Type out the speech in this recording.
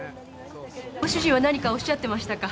ご主人は何かおっしゃってましたか。